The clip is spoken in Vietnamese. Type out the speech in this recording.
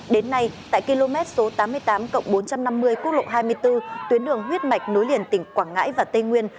đến nay tại km số tám mươi tám cộng bốn trăm năm mươi quốc lộ hai mươi bốn tuyến đường huyết mạch nối liền tỉnh quảng ngãi và tây nguyên